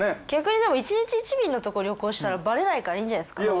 逆にでも１日１便のとこ旅行したらバレないからいいんじゃないですか。